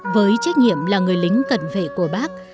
với trách nhiệm là người lính cần vệ của bác